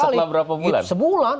setelah berapa bulan